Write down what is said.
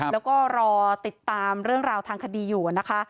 แล้วก็รอติดตามเรื่องราวทางคดีอยู่นะคะ